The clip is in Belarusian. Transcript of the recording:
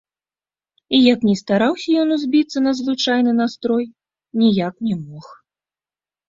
І як ні стараўся ён узбіцца на звычайны настрой, ніяк не мог.